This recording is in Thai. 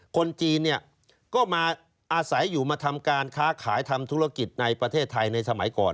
คนจีนเนี่ยก็มาอาศัยอยู่มาทำการค้าขายทำธุรกิจในประเทศไทยในสมัยก่อน